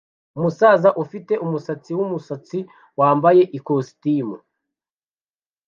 Umusaza ufite umusatsi wumusatsi wambaye ikositimu